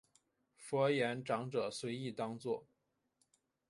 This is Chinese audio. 佛言长者随意当作。